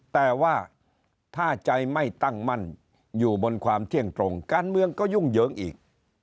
แต่ว่าถ้าใจไม่ตั้งมั่นอยู่บนความเที่ยงตรงการเมืองก็ยุ่งเหยิงอีก